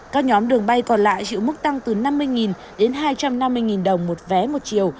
các nhóm đường bay còn lại chịu mức tăng từ năm mươi đến hai trăm năm mươi đồng một vé một chiều